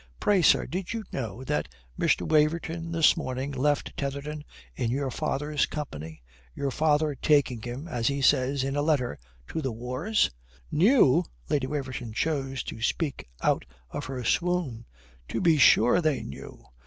"Pray, sir, did you know that Mr. Waverton this morning left Tetherdown in your father's company, your father taking him, as he says in a letter, to the wars?" "Knew?" Lady Waverton chose to speak out of her swoon. "To be sure they knew.